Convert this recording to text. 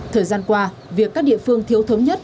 thời gian qua việc các địa phương thiếu thống nhất